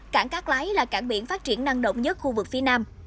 cảng cát lái là cảng biển phát triển năng động nhất khu vực phía nam